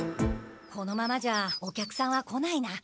このままじゃお客さんは来ないな。